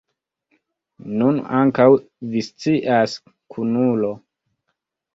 Nun ankaŭ vi scias, kunulo.